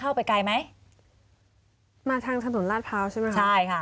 เข้าไปไกลไหมมาทางถนนลาดพร้าวใช่ไหมคะใช่ค่ะ